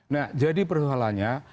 nah jadi perhulahannya